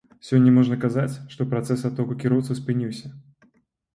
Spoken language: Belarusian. Сёння можна казаць, што працэс адтоку кіроўцаў спыніўся.